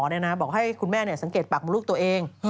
เนี่ยนะฮะบอกให้คุณแม่เนี่ยสังเกตปักมาลูกตัวเอง